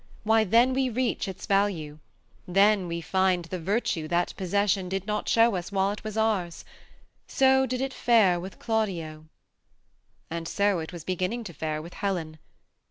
Why, then we reach its valoe; then we find The virtue that possession did not show us While it was oun. So did it fare with' Glaudio." And so was it beginning to fare with Helen.